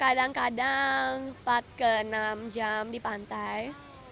kadang kadang empat ke enam jam di pantai